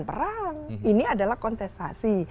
perang ini adalah kontestasi